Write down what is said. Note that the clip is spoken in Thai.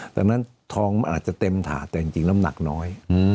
ดังนั้นทองมันอาจจะเต็มถาดแต่จริงน้ำหนักน้อย